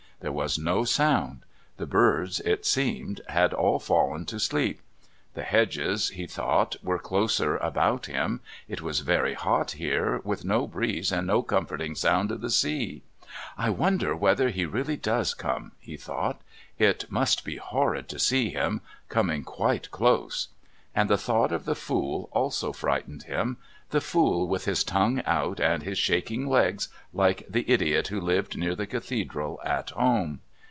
There was no sound. The birds, it seemed, had all fallen to sleep. The hedges, he thought, were closer about him. It was very hot here, with no breeze and no comforting sound of the sea. "I wonder whether he really does come," he thought. "It must be horrid to see him coming quite close." And the thought of the Fool also frightened him. The Fool with his tongue out and his shaking legs, like the idiot who lived near the Cathedral at home.